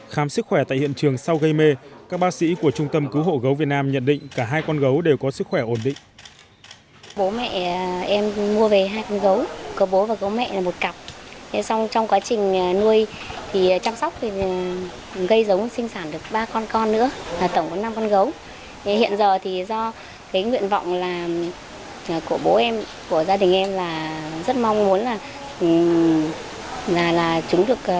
khám sức khỏe tại hiện trường sau gây mê các ba sĩ của trung tâm cứu hộ gấu việt nam nhận định cả hai con gấu đều có sức khỏe ổn định